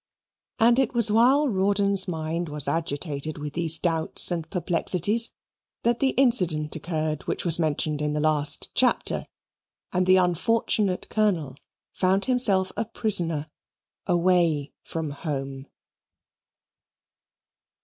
And it was while Rawdon's mind was agitated with these doubts and perplexities that the incident occurred which was mentioned in the last chapter, and the unfortunate Colonel found himself a prisoner away from home.